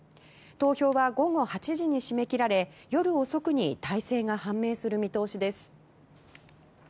投票は午後８時に締め切られ夜遅くに大勢が判明する見通しです。